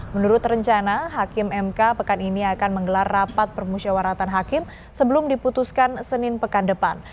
menurut rencana hakim mk pekan ini akan menggelar rapat permusyawaratan hakim sebelum diputuskan senin pekan depan